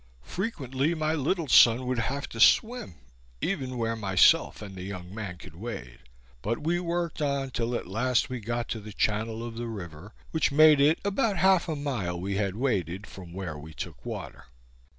Frequently my little son would have to swim, even where myself and the young man could wade; but we worked on till at last we got to the channel of the river, which made it about half a mile we had waded from where we took water.